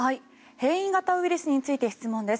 変異型ウイルスについて質問です。